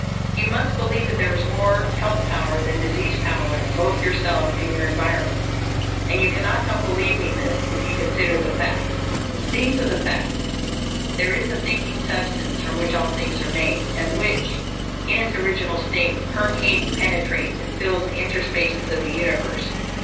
_ You must believe that there is more health power than disease power in both yourself and your environment; and you cannot help believing this if you consider the facts. These are the facts: _There is a Thinking Substance from which all things are made, and which, in its original state, permeates, penetrates, and fills the interspaces of the universe.